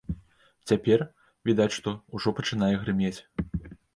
Цяпер, відаць што, ужо пачынае грымець.